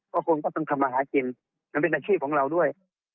ก็คงต้องทำมาหากินน้องเป็นหนักชีพของเราด้วย